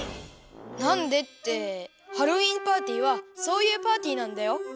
なんでってハロウィーンパーティーはそういうパーティーなんだよ。